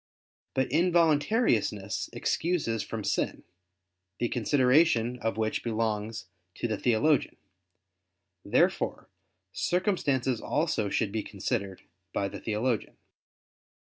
But involuntariness excuses from sin, the consideration of which belongs to the theologian. Therefore circumstances also should be considered by the theologian.